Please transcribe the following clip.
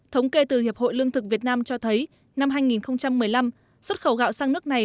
thống kê từ hiệp hội lương thực việt nam cho thấy năm hai nghìn một mươi năm xuất khẩu gạo sang nước này